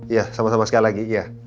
iya sama sama sekali lagi